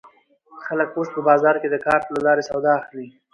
خلک اوس په بازار کې د کارت له لارې سودا اخلي.